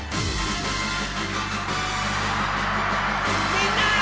みんな！